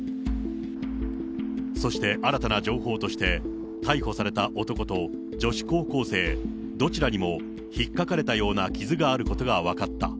そして新たな情報として、逮捕された男と女子高校生、どちらにも引っかかれたような傷があることが分かった。